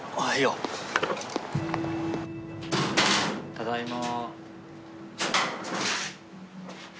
ただいま。